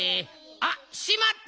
あっしまった！